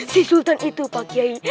si sultan itu pak kiai